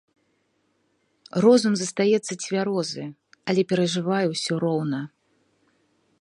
Розум застаецца цвярозы, але перажываю ўсё роўна.